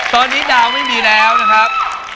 ตอนนี้ดาวไม่มีแล้วนะครับ